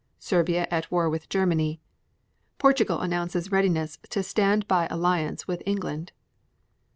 8. Serbia at war with Germany. 8. Portugal announces readiness to stand by alliance with England.